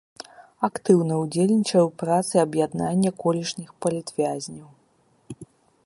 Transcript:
Актыўна ўдзельнічае ў працы аб'яднання колішніх палітвязняў.